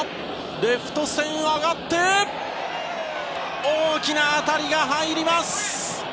レフト線、上がって大きな当たりが入ります。